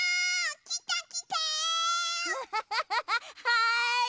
はい！